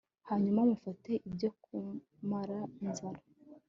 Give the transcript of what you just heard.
hanyuma mufate ibyo kumara inzara